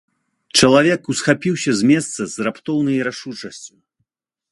Чалавек усхапіўся з месца з раптоўнай рашучасцю.